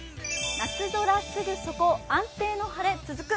夏空すぐそこ安定の天気続く。